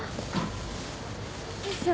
よいしょ。